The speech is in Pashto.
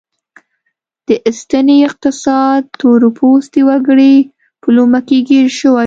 د سنتي اقتصاد تور پوستي وګړي په لومه کې ګیر شوي وو.